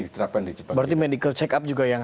diterapkan di jepang berarti medical check up juga yang